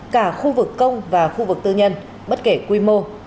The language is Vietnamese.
cả khu vực công và khu vực tư nhân bất kể quy mô